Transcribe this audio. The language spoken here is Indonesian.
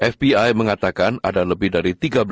fbi mengatakan ada lebih dari tiga puluh